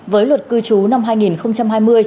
với luật cư trú năm hai nghìn hai mươi